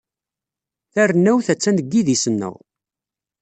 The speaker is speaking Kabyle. Tarennawt attan deg yidis-nneɣ.